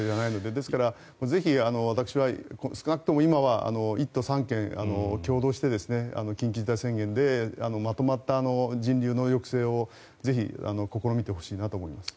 ですから、ぜひ私は少なくとも今は１都３県共同して、緊急事態宣言でまとまった人流の抑制をぜひ、試みてほしいなと思います。